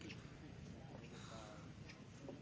แห่งเทพธุน